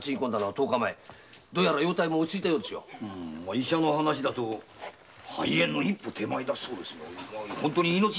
医者の話だと肺炎の一歩手前だったそうで。